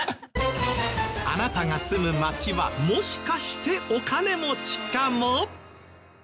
あなたが住む町はもしかしてお金持ちかも？